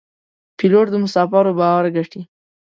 پیلوټ د مسافرو باور ګټي.